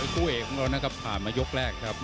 คู่เอกของเรานะครับผ่านมายกแรกครับ